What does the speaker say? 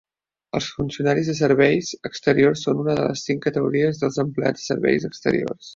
Els funcionaris de serveis exteriors són una de les cinc categories dels empleats de serveis exteriors.